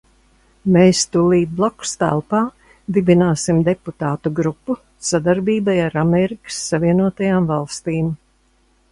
Mēs tūlīt blakustelpā dibināsim deputātu grupu sadarbībai ar Amerikas Savienotajām Valstīm.